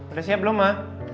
udah siap belum ma